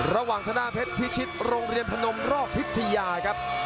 ระหว่างธนาเพชรพิชิตโรงเรียนพนมรอบพิทยาครับ